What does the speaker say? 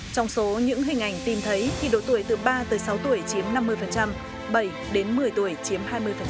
trong số những hình ảnh tìm thấy thì độ tuổi từ ba sáu tuổi chiếm năm mươi bảy đến một mươi tuổi chiếm hai mươi